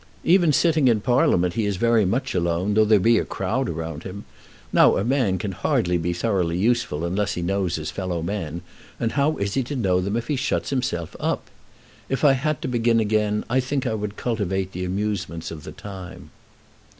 Even sitting in Parliament he is very much alone, though there be a crowd around him. Now a man can hardly be thoroughly useful unless he knows his fellow men, and how is he to know them if he shuts himself up? If I had to begin again I think I would cultivate the amusements of the time."